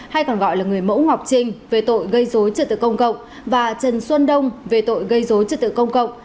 hay còn gọi là người mẫu ngọc trinh về tội gây dối trật tự công cộng và trần xuân đông về tội gây dối trật tự công cộng